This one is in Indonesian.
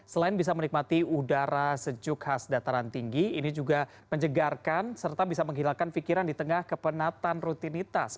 selain bisa menikmati udara sejuk khas dataran tinggi ini juga menjegarkan serta bisa menghilangkan pikiran di tengah kepenatan rutinitas